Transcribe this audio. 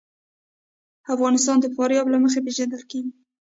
افغانستان د فاریاب له مخې پېژندل کېږي.